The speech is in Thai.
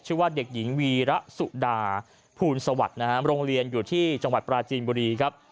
ว่าเด็กหญิงวีระสุดาภูลสวัสดิ์นะฮะโรงเรียนอยู่ที่จังหวัดปราจีนบุรีครับ